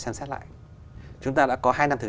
xem xét lại chúng ta đã có hai năm